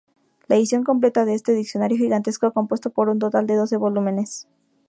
La edición completa de este diccionario gigantesco compuesto por un total de doce volúmenes.